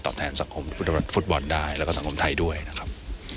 แทนสังคมฟุตบอลได้แล้วก็สังคมไทยด้วยนะครับ